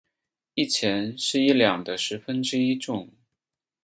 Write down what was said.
一钱是一两的十分一重。